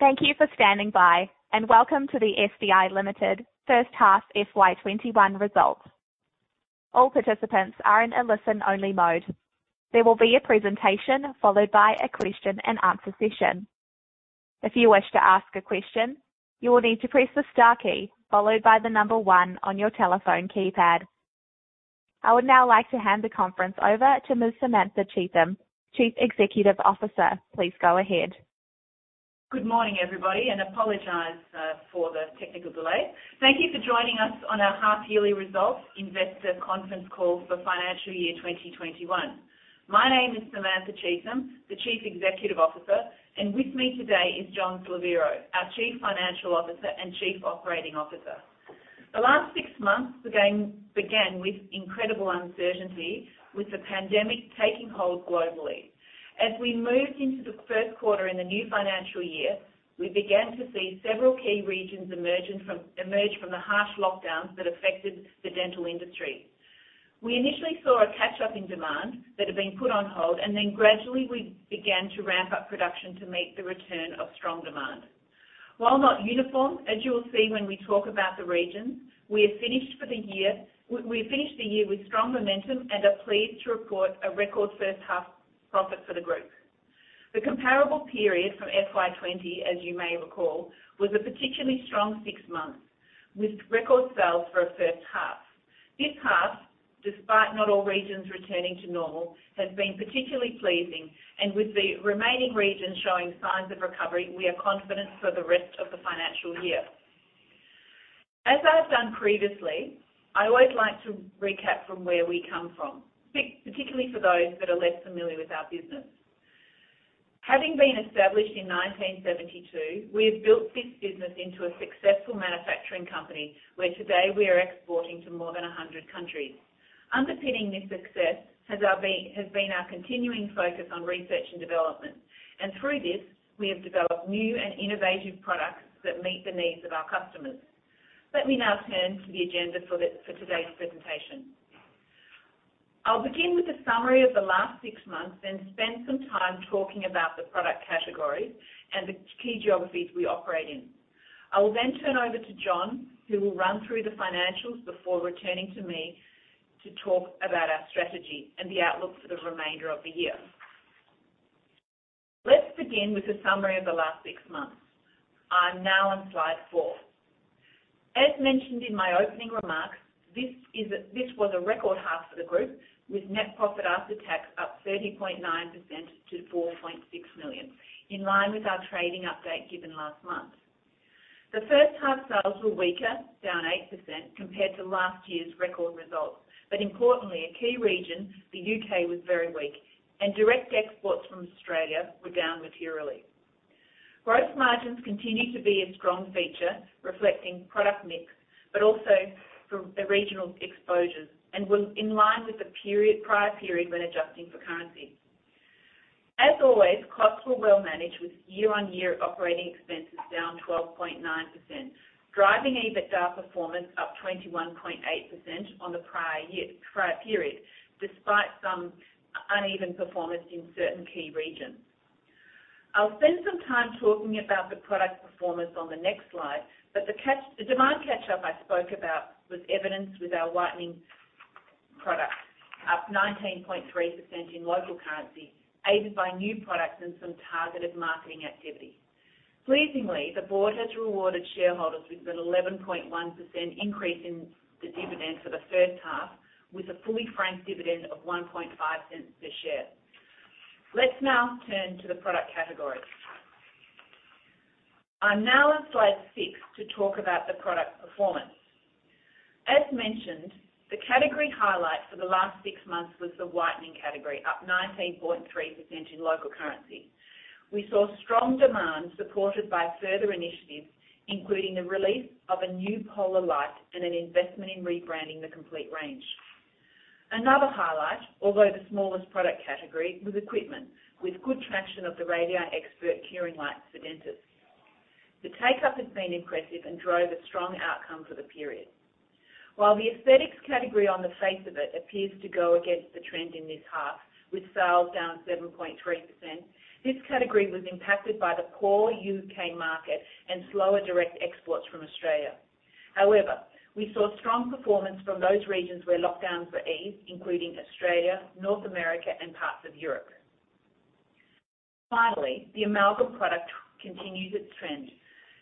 Thank you for standing by, and welcome to the SDI Limited first-half FY21 results. All participants are in a listen-only mode. There will be a presentation followed by a question and answer session. If you wish to ask a question, you will need to press the star key followed by the number one on your telephone keypad. I would now like to hand the conference over to Ms. Samantha Cheetham, Chief Executive Officer. Please go ahead. Good morning, everybody, and apologize for the technical delay. Thank you for joining us on our half-yearly results investor conference call for financial year 2021. My name is Samantha Cheetham, the Chief Executive Officer, and with me today is John Slaviero, our Chief Financial Officer and Chief Operating Officer. The last six months began with incredible uncertainty, with the pandemic taking hold globally. As we moved into the first quarter in the new financial year, we began to see several key regions emerge from the harsh lockdowns that affected the dental industry. We initially saw a catch-up in demand that had been put on hold, and then gradually we began to ramp up production to meet the return of strong demand. While not uniform, as you will see when we talk about the regions, we have finished the year with strong momentum and are pleased to report a record first-half profit for the group. The comparable period from FY20, as you may recall, was a particularly strong six months, with record sales for a first half. This half, despite not all regions returning to normal, has been particularly pleasing. With the remaining regions showing signs of recovery, we are confident for the rest of the financial year. As I've done previously, I always like to recap from where we come from, particularly for those that are less familiar with our business. Having been established in 1972, we have built this business into a successful manufacturing company, where today we are exporting to more than 100 countries. Underpinning this success has been our continuing focus on research and development. Through this, we have developed new and innovative products that meet the needs of our customers. Let me now turn to the agenda for today's presentation. I'll begin with a summary of the last six months, then spend some time talking about the product categories and the key geographies we operate in. I will then turn over to John, who will run through the financials before returning to me to talk about our strategy and the outlook for the remainder of the year. Let's begin with a summary of the last six months. I'm now on slide four. As mentioned in my opening remarks, this was a record half for the group, with net profit after tax up 30.9% to 4.6 million, in line with our trading update given last month. The first-half sales were weaker, down 8%, compared to last year's record results. Importantly, a key region, the U.K., was very weak, and direct exports from Australia were down materially. Gross margins continue to be a strong feature, reflecting product mix, but also from the regional exposures and were in line with the prior period when adjusting for currency. As always, costs were well managed, with year-on-year operating expenses down 12.9%, driving EBITDA performance up 21.8% on the prior period, despite some uneven performance in certain key regions. I'll spend some time talking about the product performance on the next slide, the demand catch-up I spoke about was evidenced with our whitening products up 19.3% in local currency, aided by new products and some targeted marketing activity. Pleasingly, the board has rewarded shareholders with an 11.1% increase in the dividend for the first half, with a fully franked dividend of 0.015 per share. Let's now turn to the product categories. I'm now on slide six to talk about the product performance. As mentioned, the category highlight for the last six months was the whitening category, up 19.3% in local currency. We saw strong demand supported by further initiatives, including the release of a new Pola Light and an investment in rebranding the complete range. Another highlight, although the smallest product category, was equipment, with good traction of the Radii Xpert curing lights for dentists. The take-up has been impressive and drove a strong outcome for the period. While the aesthetics category on the face of it appears to go against the trend in this half, with sales down 7.3%, this category was impacted by the poor U.K. market and slower direct exports from Australia. We saw strong performance from those regions where lockdowns were eased, including Australia, North America, and parts of Europe. Finally, the amalgam product continues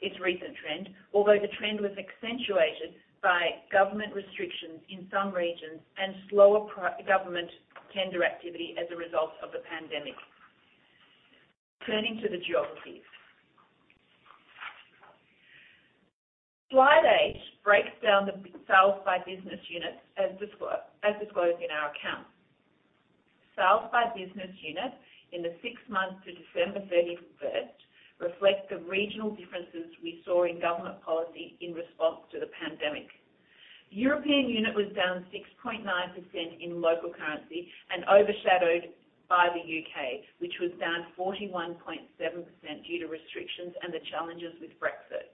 its recent trend, although the trend was accentuated by government restrictions in some regions and slower government tender activity as a result of the pandemic. Turning to the geographies. Slide eight breaks down the sales by business units as disclosed in our accounts. Sales by business unit in the six months to December 31st reflect the regional differences we saw in government policy in response to the pandemic. The European unit was down 6.9% in local currency and overshadowed by the U.K., which was down 41.7% due to restrictions and the challenges with Brexit.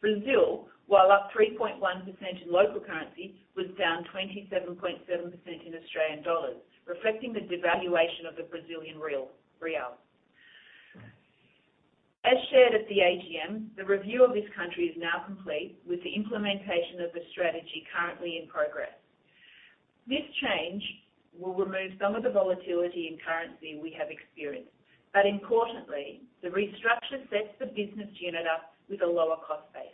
Brazil, while up 3.1% in local currency, was down 27.7% in AUD, reflecting the devaluation of the Brazilian real. As shared at the AGM, the review of this country is now complete, with the implementation of the strategy currently in progress. This change will remove some of the volatility in currency we have experienced. Importantly, the restructure sets the business unit up with a lower cost base.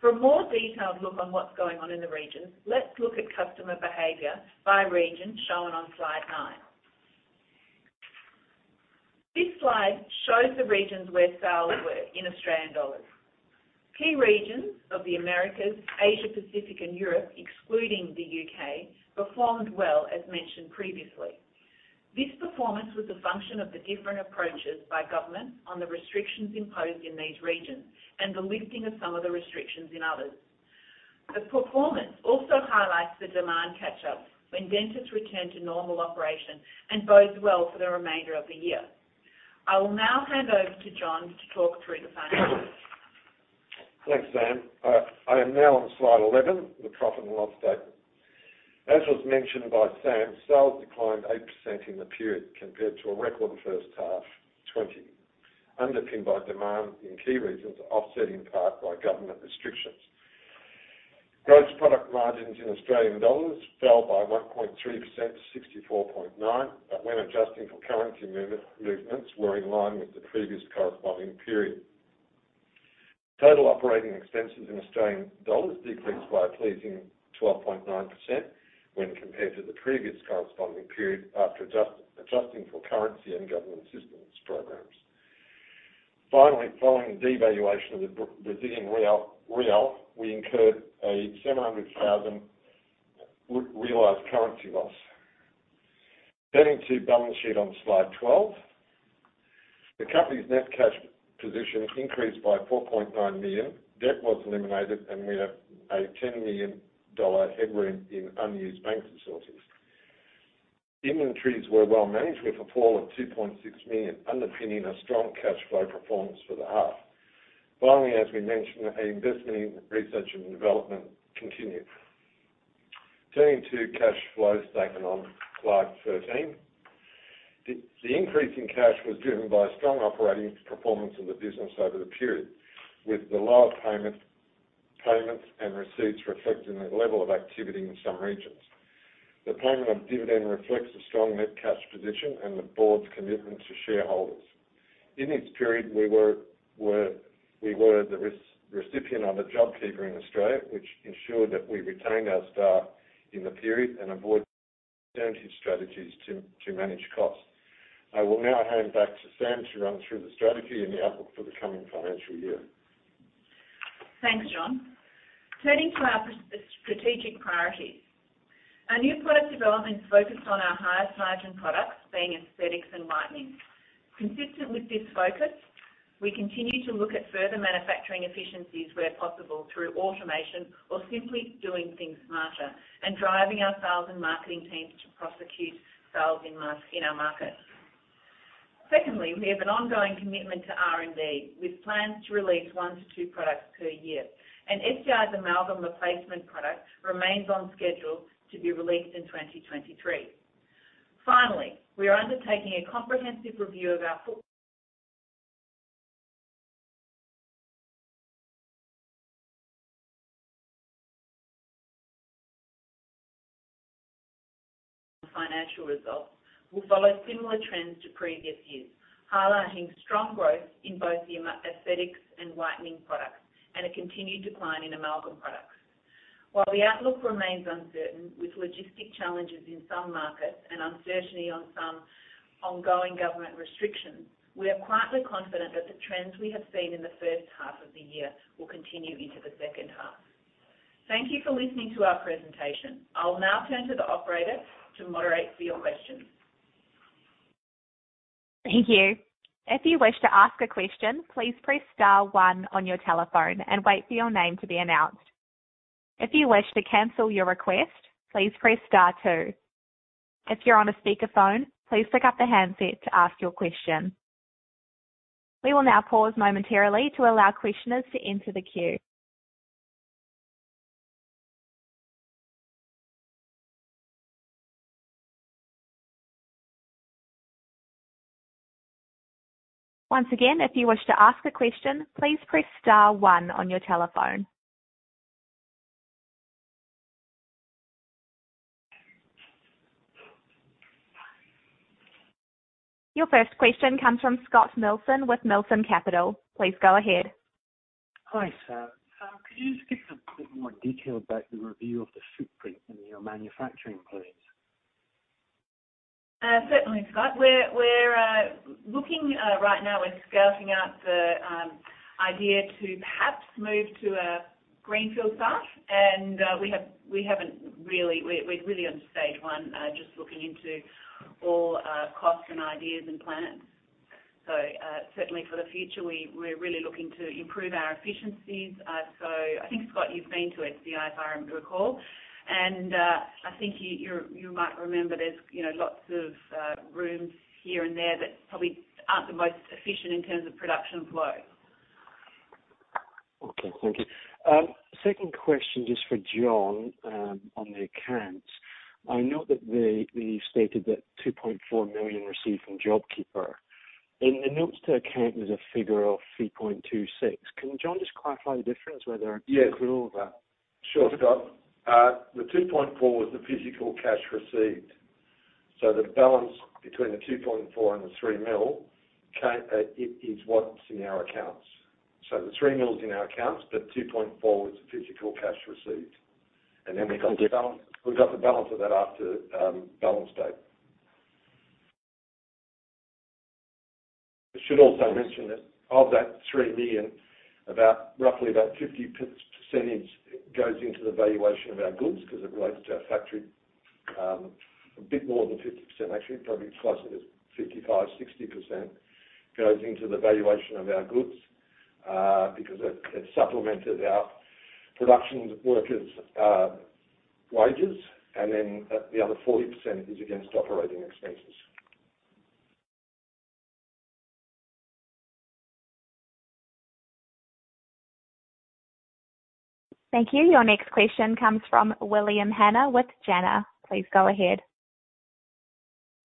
For a more detailed look on what's going on in the region, let's look at customer behavior by region, shown on slide nine. This slide shows the regions where sales were in AUD. Key regions of the Americas, Asia, Pacific, and Europe, excluding the U.K., performed well, as mentioned previously. This performance was a function of the different approaches by government on the restrictions imposed in these regions and the lifting of some of the restrictions in others. The performance also highlights the demand catch-up when dentists return to normal operation and bodes well for the remainder of the year. I will now hand over to John to talk through the financials. Thanks, Sam. I am now on slide 11, the profit and loss statement. As was mentioned by Sam, sales declined 8% in the period compared to a record first half 20, underpinned by demand in key regions, offset in part by government restrictions. Gross product margins in Australian dollars fell by 1.3% to 64.9%, but when adjusting for currency movements, were in line with the previous corresponding period. Total operating expenses in Australian dollars decreased by a pleasing 12.9% when compared to the previous corresponding period, after adjusting for currency and government assistance programs. Finally, following the devaluation of the Brazilian real, we incurred an 700,000 realized currency loss. Getting to balance sheet on slide 12. The company's net cash position increased by 4.9 million. Debt was eliminated, and we have an 10 million dollar headroom in unused bank facilities. Inventories were well managed, with a fall of 2.6 million, underpinning a strong cash flow performance for the half. Finally, as we mentioned, our investment in research and development continued. Turning to cash flow statement on slide 13. The increase in cash was driven by strong operating performance of the business over the period, with the lower payments and receipts reflecting the level of activity in some regions. The payment of dividend reflects the strong net cash position and the board's commitment to shareholders. In this period, we were the recipient of the JobKeeper in Australia, which ensured that we retained our staff in the period and avoid alternative strategies to manage costs. I will now hand back to Samantha to run through the strategy and the outlook for the coming financial year. Thanks, John. Turning to our strategic priorities. Our new product development is focused on our highest margin products, being aesthetics and whitening. Consistent with this focus, we continue to look at further manufacturing efficiencies where possible through automation or simply doing things smarter and driving our sales and marketing teams to prosecute sales in our markets. Secondly, we have an ongoing commitment to R&D, with plans to release one to two products per year. SDI's amalgam replacement product remains on schedule to be released in 2023. Finally, we are undertaking a comprehensive review of our financial results will follow similar trends to previous years, highlighting strong growth in both the aesthetics and whitening products and a continued decline in amalgam products. While the outlook remains uncertain with logistic challenges in some markets and uncertainty on some ongoing government restrictions, we are quietly confident that the trends we have seen in the first half of the year will continue into the second half. Thank you for listening to our presentation. I will now turn to the operator to moderate for your questions. Thank you. If you wish to ask a question, please press star one on your telephone and wait for your name to be announced. If you wish to cancel your request, please press star two. If you're on a speakerphone, please pick up the handset to ask your question. We will now pause momentarily to allow questioners to enter the queue. Once again, if you wish to ask a question, please press star one on your telephone. Your first question comes from Scott Milson with Milson Capital. Please go ahead. Hi, Samantha. Could you just give us a bit more detail about the review of the footprint in your manufacturing, please? Certainly, Scott. We're looking right now and scouting out the idea to perhaps move to a greenfield site. We're really on stage 1, just looking into all costs and ideas and plans. Certainly for the future, we're really looking to improve our efficiencies so I think, Scott, you've been to SDI's R&D, and I think you might remember there's lots of rooms here and there that probably aren't the most efficient in terms of production flow. Okay. Thank you. Second question, just for John, on the accounts. I note that you've stated that 2.4 million received from JobKeeper. In the notes to account, there's a figure of 3.26. Can John just clarify the difference? Yeah Sure, Scott. The 2.4 was the physical cash received. The balance between the 2.4 and the 3 million is what's in our accounts. The 3 million is in our accounts, but 2.4 is the physical cash received. Thank you. we've got the balance of that after balance date. I should also mention that of that 3 million, about roughly about 50% goes into the valuation of our goods because it relates to our factory. A bit more than 50%, actually, probably closer to 55%, 60% goes into the valuation of our goods, because it supplemented our production workers' wages, and then the other 40% is against operating expenses. Thank you. Your next question comes from William Hanna with JANA. Please go ahead.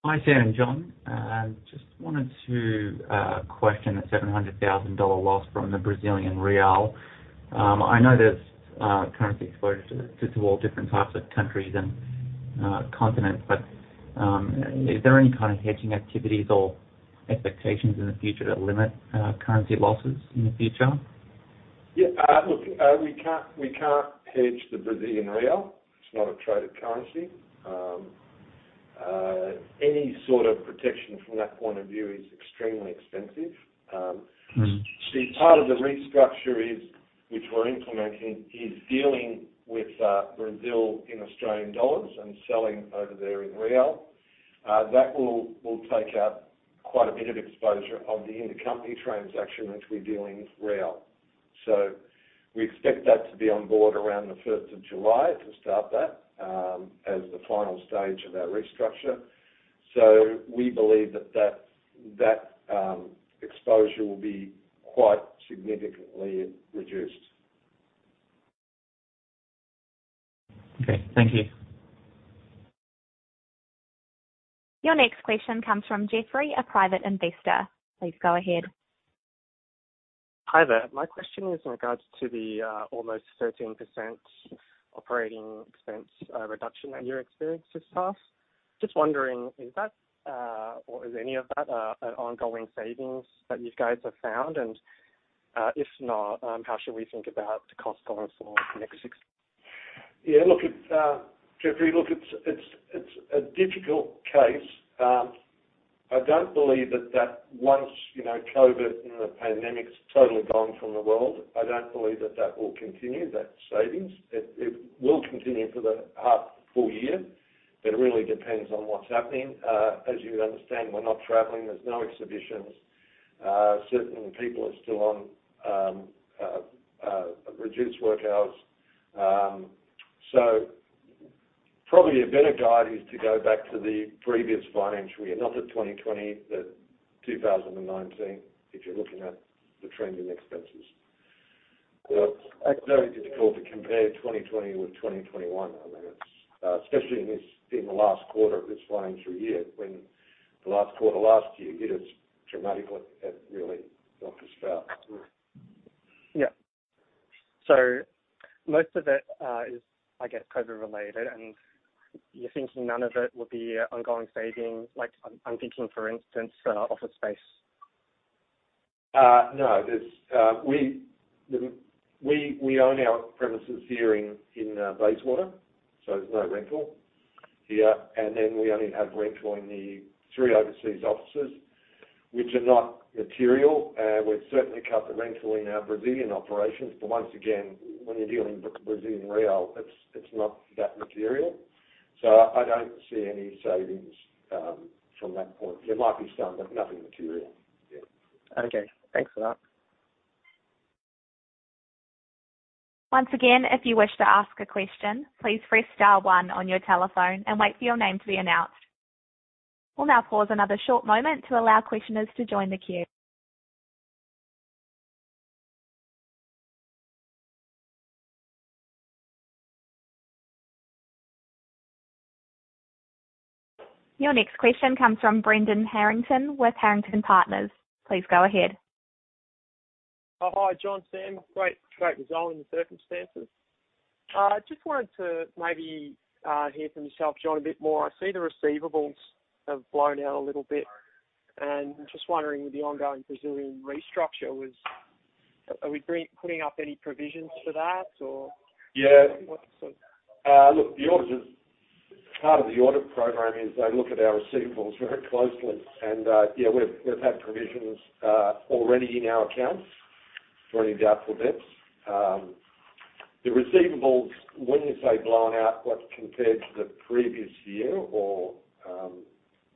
Hi, Samantha and John. Just wanted to question the 700,000 dollar loss from the Brazilian real. I know there's currency exposure to all different types of countries and continents, but is there any kind of hedging activities or expectations in the future that limit currency losses in the future? Yeah. Look, we can't hedge the Brazilian real. It's not a traded currency. Any sort of protection from that point of view is extremely expensive. Part of the restructure is, which we're implementing, is dealing with Brazil in AUD and selling over there in BRL. That will take out quite a bit of exposure of the intercompany transaction, which we deal in BRL. We expect that to be on board around the 1st of July to start that as the final stage of our restructure. We believe that exposure will be quite significantly reduced. Okay. Thank you. Your next question comes from Jeffrey, a private investor. Please go ahead. Hi there. My question is in regards to the almost 13% operating expense reduction that you experienced this past. Just wondering, is that, or is any of that an ongoing savings that you guys have found? If not, how should we think about the cost going forward for the next six? Yeah, look, Jeffrey, look, it's a difficult case. I don't believe that once COVID and the pandemic's totally gone from the world, I don't believe that that will continue, that savings. It will continue for the half of the full year, it really depends on what's happening. As you understand, we're not traveling. There's no exhibitions. Certain people are still on reduced work hours. Probably a better guide is to go back to the previous financial year, not the 2020, the 2019, if you're looking at the trending expenses. It's very difficult to compare 2020 with 2021. Especially in the last quarter of this financial year, when the last quarter last year hit us dramatically and really knocked us about. Yeah. Most of it is, I guess, COVID related, and you're thinking none of it will be an ongoing saving? I'm thinking, for instance, office space. No. We own our premises here in Bayswater, there's no rental here. We only have rental in the three overseas offices, which are not material. We've certainly cut the rental in our Brazilian operations. Once again, when you're dealing with Brazilian real, it's not that material. I don't see any savings from that point. There might be some, nothing material. Yeah. Okay. Thanks for that. Once again, if you wish to ask a question, please press star one on your telephone and wait for your name to be announced. We'll now pause another short moment to allow questioners to join the queue. Your next question comes from Brendan Harrington with Harrington Partners. Please go ahead. Oh, hi, John, Samantha. Great result in the circumstances. Just wanted to maybe hear from yourself, John, a bit more. I see the receivables have blown out a little bit and just wondering with the ongoing Brazilian restructure, are we putting up any provisions for that or? Yeah. What sort of- Look, part of the audit program is they look at our receivables very closely and, yeah, we've had provisions already in our accounts for any doubtful debts. The receivables, when you say blown out, what's compared to the previous year or?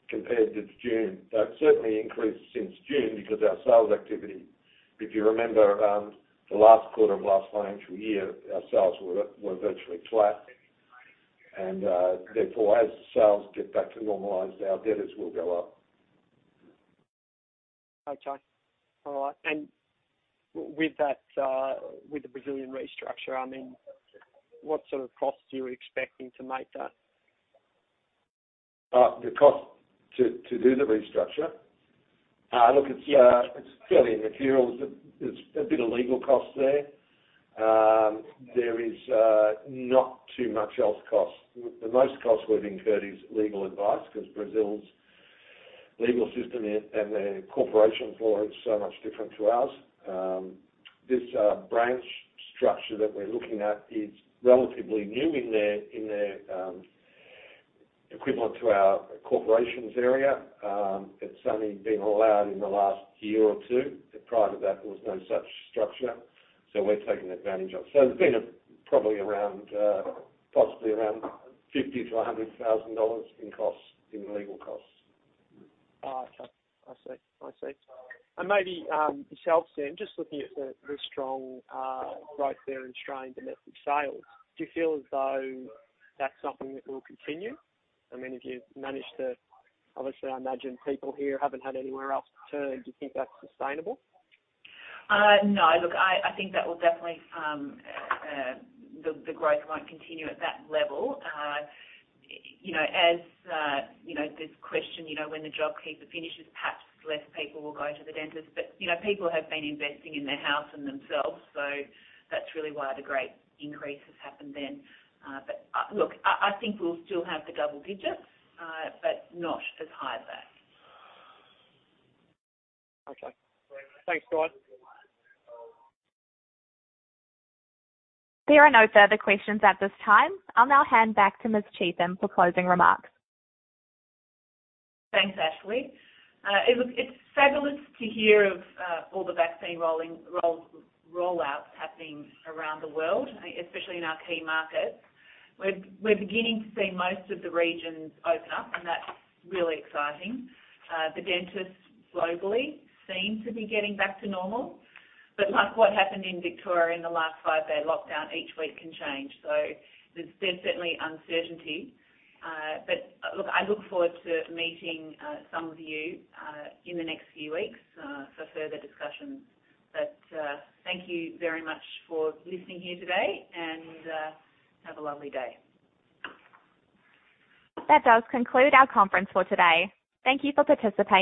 Compared to June. It's certainly increased since June because our sales activity, if you remember, the last quarter of last financial year, our sales were virtually flat. As the sales get back to normalized, our debtors will go up. Okay. All right. With the Brazilian restructure, what sort of costs are you expecting to make that? The cost to do the restructure? Yes. Look, it's fairly immaterial. There's a bit of legal cost there. There is not too much else cost. The most cost we've incurred is legal advice, because Brazil's legal system and their corporation law is so much different to ours. This branch structure that we're looking at is relatively new in their equivalent to our corporations area. It's only been allowed in the last year or two. Prior to that, there was no such structure, so we're taking advantage of it. There's been probably around, possibly around 50,000-100,000 dollars in legal costs. Okay. I see. Maybe yourself, Samantha, just looking at the very strong growth there in Australian domestic sales, do you feel as though that's something that will continue? If you've managed to, obviously, I imagine people here haven't had anywhere else to turn. Do you think that's sustainable? No. Look, I think that the growth won't continue at that level. As this question, when the JobKeeper finishes, perhaps less people will go to the dentist. People have been investing in their house and themselves, so that's really why the great increase has happened then. Look, I think we'll still have the double digits, but not as high as that. Okay. Thanks, guys. There are no further questions at this time. I'll now hand back to Ms. Cheetham for closing remarks. Thanks, Ashley. It's fabulous to hear of all the vaccine roll-outs happening around the world, especially in our key markets. We're beginning to see most of the regions open up, and that's really exciting. The dentists globally seem to be getting back to normal. Like what happened in Victoria in the last five-day lockdown, each week can change. There's been certainly uncertainty. Look, I look forward to meeting some of you in the next few weeks for further discussions. Thank you very much for listening here today, and have a lovely day. That does conclude our conference for today. Thank you for participating.